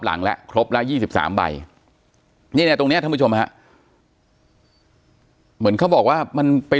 หลังและครบแล้ว๒๓ใบตรงนี้ท่านผู้ชมมันเขาบอกว่ามันไป